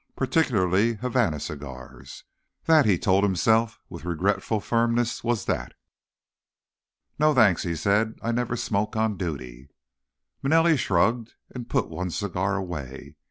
Particularly Havana cigars. That, he told himself with regretful firmness, was that. "No, thanks," he said. "I never smoke on duty." Manelli shrugged and put one cigar away.